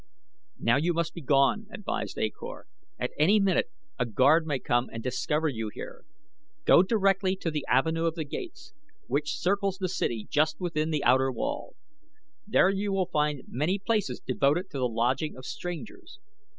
"Now you must be gone," advised A Kor. "At any minute a guard may come and discover you here. Go directly to the Avenue of Gates, which circles the city just within the outer wall. There you will find many places devoted to the lodging of strangers.